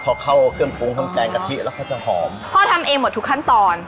พอเข้าเครื่องปรุงน้ำแกงกะทิแล้วเขาจะหอมพ่อทำเองหมดทุกขั้นตอน